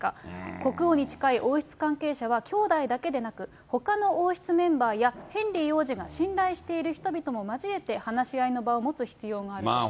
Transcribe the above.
国王に近い王室関係者は、兄弟だけでなく、ほかの王室メンバーやヘンリー王子が信頼している人々も交えて話し合いの場を持つ必要があるとしています。